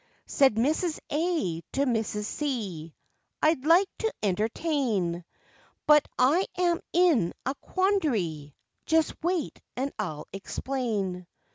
Said Mrs. A. to Mrs. C. "I'd like to entertain, But I am in a quandary, Just wait and I'll explain.